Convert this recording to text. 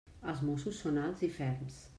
Els mossos són alts i ferms.